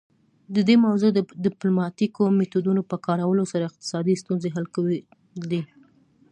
د دې موضوع د ډیپلوماتیکو میتودونو په کارولو سره اقتصادي ستونزې حل کول دي